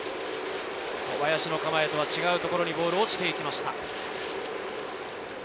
小林の構えとは違うところにボールが落ちていきました。